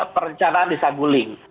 perencanaan di saguling